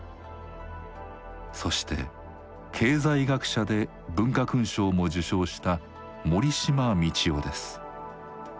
そして経済学者で文化勲章も受章した森嶋通夫です。